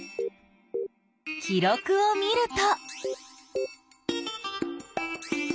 記録を見ると。